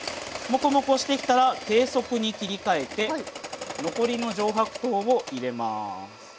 モコモコしてきたら低速に切り替えて残りの上白糖を入れます。